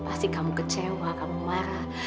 pasti kamu kecewa kamu marah